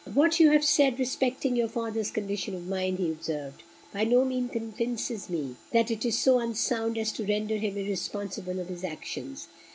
"What you have said respecting your father's condition of mind," he observed, "by no means convinces me that it is so unsound as to render him irresponsible for his actions.